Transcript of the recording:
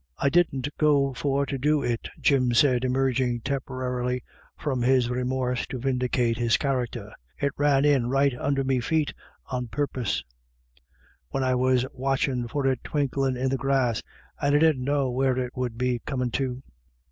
" I didn't go for to do it !" Jim said, emerging temporarily . from his remorse to vindicate his character. " It ran in right under me feet a 278 IRISH IDYLLS. purpose, when I was watchin' for it twinklin' in the grass, and I didn't know where it would be comin' to."